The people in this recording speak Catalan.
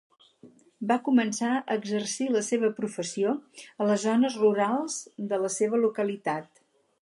Va començar a exercir la seva professió a les zones rurals de la seva localitat.